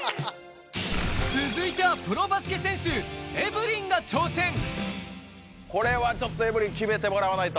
続いてはこれはちょっとエブリン決めてもらわないと。